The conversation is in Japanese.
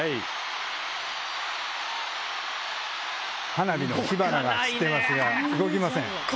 花火の火花が散っていますが動きません。